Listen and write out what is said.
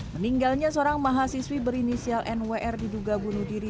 meninggalnya seorang mahasiswi berinisial nwr diduga bunuh diri